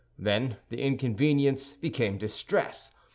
Then the inconvenience became distress.